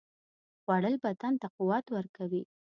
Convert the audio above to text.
خوړل بدن ته قوت ورکوي